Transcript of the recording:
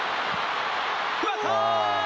決まった！